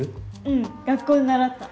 うん学校で習った。